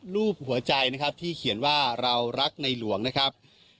รูปหัวใจนะครับที่เขียนว่าเรารักในหลวงนะครับ